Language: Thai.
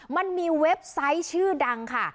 มันมีเว็บไซต์ชื่อดังค่ะ